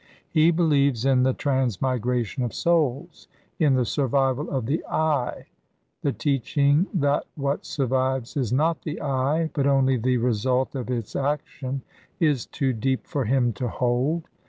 He believes in the transmigration of souls, in the survival of the 'I.' The teaching that what survives is not the 'I,' but only the result of its action, is too deep for him to hold.